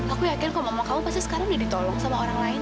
aku yakin kalau ngomong kamu pasti sekarang udah ditolong sama orang lain